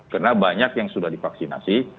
karena banyak yang sudah divaksinasi